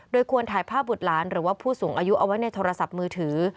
โดยควรถ่ายภาพบุตรหลานหรือว่าผู้สูงอายุเอาไว้ในโทรศัพท์มือถือ